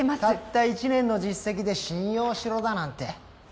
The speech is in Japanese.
たった一年の実績で信用しろだなんて